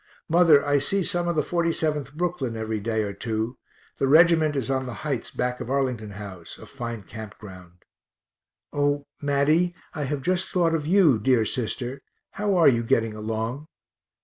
Mother, I see some of the 47th Brooklyn every day or two; the reg't is on the heights back of Arlington house, a fine camp ground. O Matty, I have just thought of you dear sister, how are you getting along?